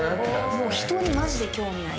人にマジで興味ない。